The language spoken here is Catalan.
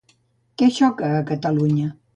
Què xoca a Catalunya?